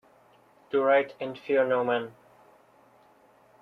Do right and fear no man.